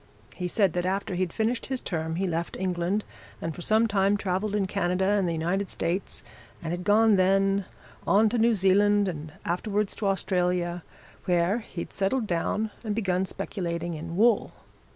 He said that after he'd finished his term he left England and for some time travelled in Canada and the United States, and had gone then on to New Zealand and afterwards to Australia, where he'd settled down and begun speculating in wool.